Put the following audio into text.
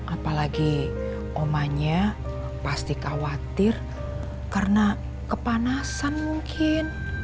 apalagi omanya pasti khawatir karena kepanasan mungkin